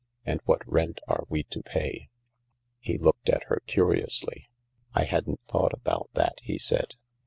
And what rent are we to pay ?" He looked at her curiously. " I hadn't thought about that," he said.